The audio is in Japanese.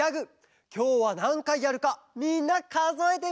きょうはなんかいやるかみんなかぞえてみてね！